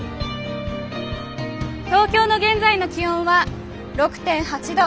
東京の現在の気温は６．８度。